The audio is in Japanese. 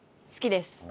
好きです。